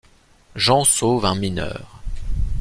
Jean sauve un mineur.